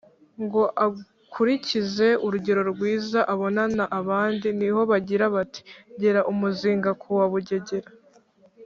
ngo akurikize urugero rwiza abonana abandi; ni ho bagira bati: “Gera umuzinga ku wa Bugegera!”